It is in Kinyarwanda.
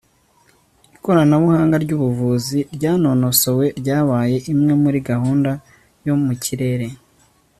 Ikoranabuhanga ryubuvuzi ryanonosowe ryabaye imwe muri gahunda yo mu kirere